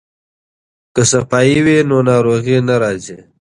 که صفايي وي نو ناروغي نه راځي.